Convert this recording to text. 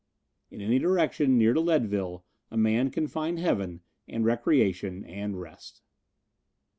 In any direction near to Leadville a man can find Heaven and recreation and rest.